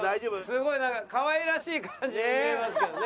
すごいなんかかわいらしい感じに見えますけどね。